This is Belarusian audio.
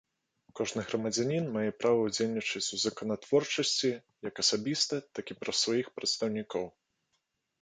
Кожны грамадзян мае права ўдзельнічаць у законатворчасці як асабіста, так і праз сваіх прадстаўнікоў.